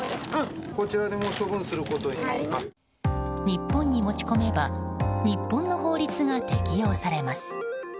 日本に持ち込めば日本の法律が適用されます。